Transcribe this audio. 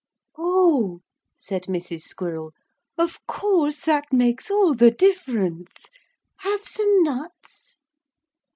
'Oh,' said Mrs. Squirrel, 'of course that makes all the difference. Have some nuts?'